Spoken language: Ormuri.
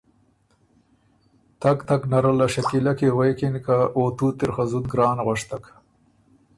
تګ تګ نره له شکیلۀ کی غوېکِن که ” او توت اِر خه زُت ګران غؤشتک“